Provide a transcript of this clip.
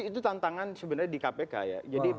itu tantangan sebenarnya di kpk ya